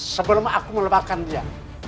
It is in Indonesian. sebelum aku melebakkan dia